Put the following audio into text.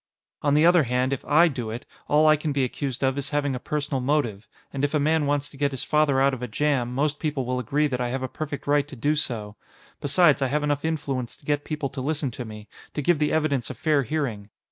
"On the other hand, if I do it, all I can be accused of is having a personal motive. And if a man wants to get his father out of a jam, most people will agree that I have a perfect right to do so. Besides, I have enough influence to get people to listen to me, to give the evidence a fair hearing.